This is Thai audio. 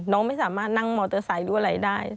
น้องไม่สามารถนั่งมอเตอร์ไซค์หรืออะไรได้